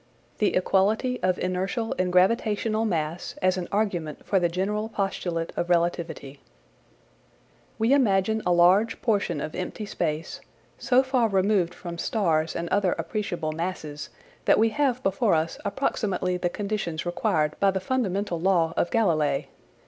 THE EQUALITY OF INERTIAL AND GRAVITATIONAL MASS AS AN ARGUMENT FOR THE GENERAL POSTULE OF RELATIVITY We imagine a large portion of empty space, so far removed from stars and other appreciable masses, that we have before us approximately the conditions required by the fundamental law of Galilei.